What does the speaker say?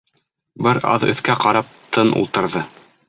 Бер аҙ өҫкә ҡарап тын ултырҙы.